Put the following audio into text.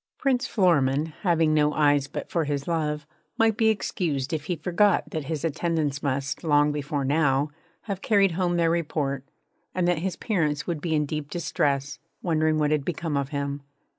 Prince Florimond, having no eyes but for his love, might be excused if he forgot that his attendants must, long before now, have carried home their report, and that his parents would be in deep distress, wondering what had become of him.